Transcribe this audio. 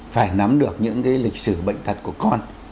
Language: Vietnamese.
phải nắm được những cái lịch sử bệnh tật của con